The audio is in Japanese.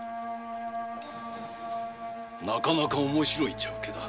なかなか面白い「茶うけ」だ。